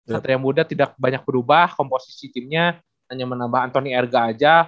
satya yang muda tidak banyak berubah komposisi teamnya hanya menambah anthony erga aja